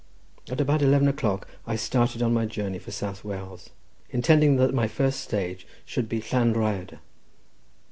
At about eleven o'clock I started on my journey for South Wales, intending that my first stage should be Llan Rhyadr.